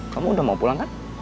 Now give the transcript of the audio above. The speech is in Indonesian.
kamu udah mau pulang kan